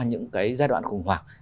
những cái giai đoạn khủng hoảng